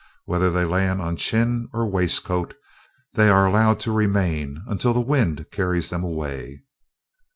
Whether they land on chin or waistcoat they are allowed to remain until the wind carries them away.